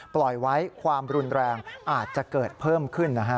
ปล่อยไว้ความรุนแรงอาจจะเกิดเพิ่มขึ้นนะฮะ